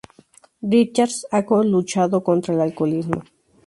Richards ha luchado contra el alcoholismo.